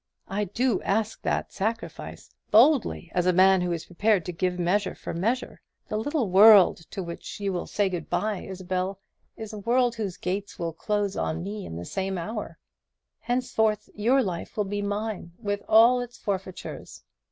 I do ask that sacrifice; boldly, as a man who is prepared to give measure for measure. The little world to which you will say good bye, Isabel, is a world whose gates will close on me in the same hour. Henceforth your life will be mine, with all its forfeitures.